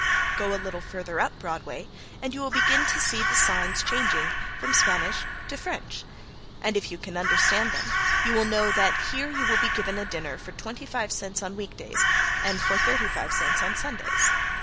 Go a little further up Broadway and you will begin to see the signs changing from Spanish to French, and if you can understand them you will know that here you will be given a dinner for twenty five cents on week days and for thirty five cents on Sundays.